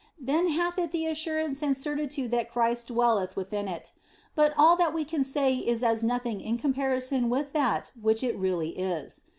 Then hath it the assurance and certitude that Christ dwelleth within it ; but all that we can say is as nothing in comparison with that which it really is.